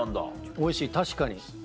おいしい確かに。